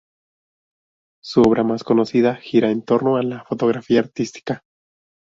Su obra más conocida gira en torno a la fotografía artística.